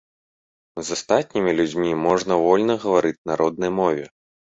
З астатнімі людзьмі можна вольна гаварыць на роднай мове.